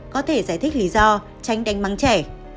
có thể giải thích lý do tránh đánh mắng trẻ